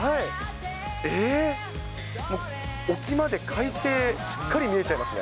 えー、もう沖まで海底、しっかり見えちゃいますね。